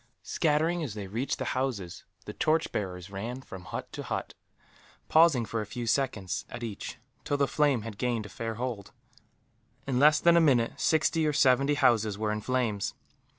Scattering as they reached the houses, the torch bearers ran from hut to hut; pausing for a few seconds, at each, till the flame had gained a fair hold. In less than a minute, sixty or seventy houses were in flames.